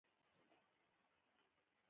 د سړک د یو کیلو متر په اوږدوالي